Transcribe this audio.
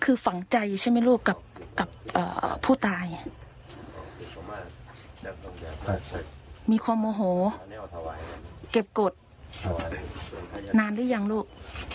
คือฝังใจใช่ไหมลูกกับผู้ตายมีความโมโหเก็บกฎนานหรือยังลูก